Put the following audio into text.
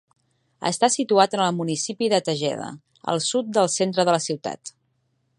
Està situat en el municipi de Tejeda, al sud del centre de la ciutat.